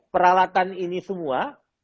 peralatan ini semua